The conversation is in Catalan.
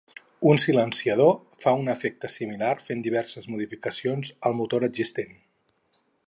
Un silenciador fa un efecte similar fent diverses modificacions al motor existent.